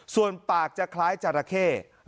ส่วนปากจะคล้ายจราเข้